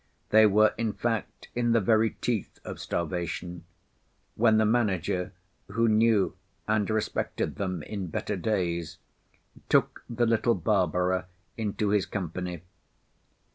They were in fact in the very teeth of starvation, when the manager, who knew and respected them in better days, took the little Barbara into his company.